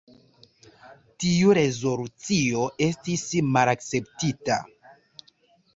Tiu rezolucio estis malakceptita.